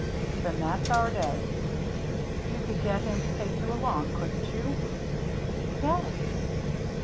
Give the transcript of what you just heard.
" Then that's our day. You could get him to take you along, couldn't you ?" "Yes."